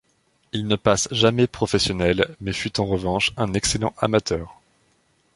Il ne passe jamais professionnel mais fut en revanche un excellent amateur.